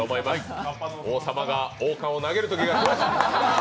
王様が王冠を投げるときが来ました。